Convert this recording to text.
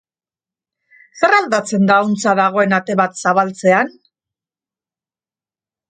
Zer aldatzen da ahuntza dagoen ate bat zabaltzean?